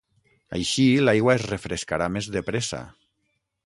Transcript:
Així l'aigua es refrescarà més de pressa.